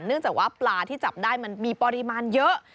เนื่องจากว่าปลาที่จับได้มันมีปริมาณเยอะ